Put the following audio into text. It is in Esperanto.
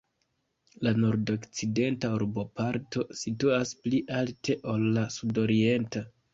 La nordokcidenta urboparto situas pli alte ol la sudorienta.